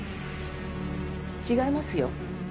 違いますよ